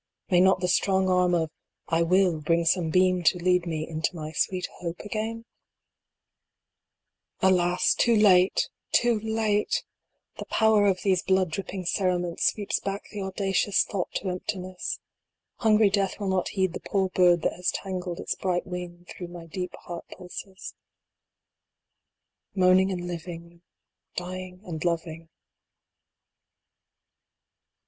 DYING. in May not the strong arm of " I will," bring some beam to lead me inio my sweet Hope again ? Alas, too late ! too late ! The power of these blood dripping cerements sweeps back the audacious thought to emptiness. Hungry Death will not heed the poor bird that has tangled its bright wing through my deep heart pulses. Moaning and living. Dying and loving.